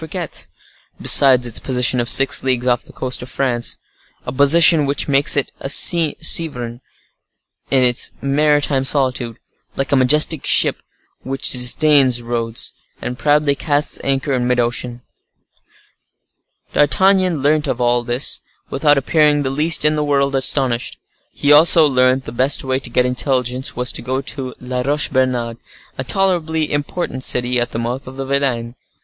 Fouquet's, besides its position of six leagues off the coast of France; a position which makes it a sovereign in its maritime solitude, like a majestic ship which disdains roads, and proudly casts anchor in mid ocean. D'Artagnan learnt all this without appearing the least in the world astonished. He also learnt the best way to get intelligence was to go to La Roche Bernard, a tolerably important city at the mouth of the Vilaine.